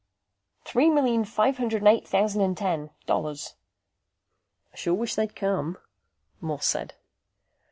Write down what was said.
"Three million five hundred and eight thousand and ten. Dollars." "I sure wish they'd come," Morse said.